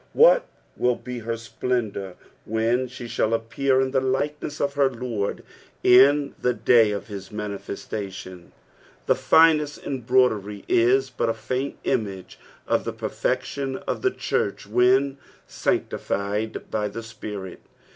what will be her splendour when she shall appear in the likeness of Tier Lord in the day of his manifestauoa f The finest embroidery is but a faint image of tho perfection of the church when sancliSed by the Spirit.